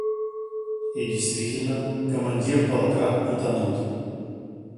И действительно, командир полка утонул.